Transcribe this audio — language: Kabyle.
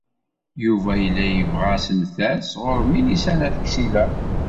Yuba yella yebɣa assemter sɣur Milisa n At Ksila.